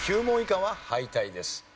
９問以下は敗退です。